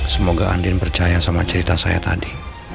semoga andin percaya sama cerita saya tadi